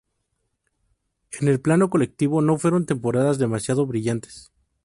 En el plano colectivo no fueron temporadas demasiado brillantes.